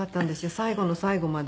最後の最後まで。